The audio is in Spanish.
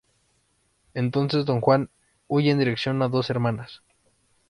Entonces don Juan huye en dirección a Dos Hermanas.